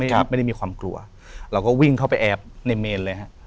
ไม่ได้มีความกลัวเราก็วิ่งเข้าไปแอบในเมนเลยฮะ